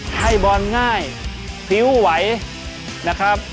ให้บอลง่ายพริ้วไหวนะครับ